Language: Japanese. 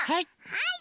はい。